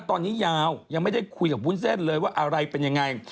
ตอนนี้ยาวยังไม่ได้คุยกับวุ้นเส้นเลยว่าอะไรเป็นยังไง